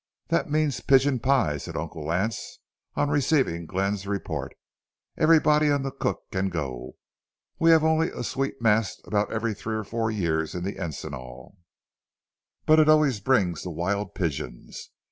"That means pigeon pie," said Uncle Lance, on receiving Glenn's report. "Everybody and the cook can go. We only have a sweet mast about every three or four years in the encinal, but it always brings the wild pigeons.